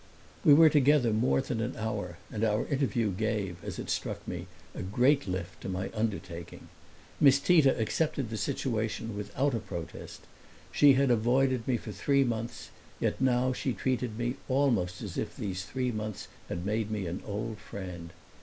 We were together more than an hour, and our interview gave, as it struck me, a great lift to my undertaking. Miss Tita accepted the situation without a protest; she had avoided me for three months, yet now she treated me almost as if these three months had made me an old friend.